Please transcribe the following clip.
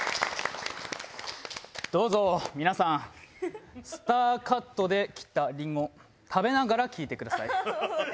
どうぞ皆さんスターカットで切ったりんご食べながら聞いてください。